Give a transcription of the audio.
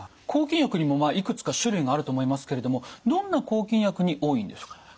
抗菌薬にもいくつか種類があると思いますけれどもどんな抗菌薬に多いんでしょうか？